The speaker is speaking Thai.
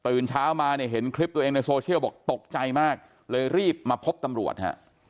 เช้ามาเนี่ยเห็นคลิปตัวเองในโซเชียลบอกตกใจมากเลยรีบมาพบตำรวจฮะ